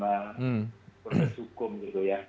proses hukum gitu ya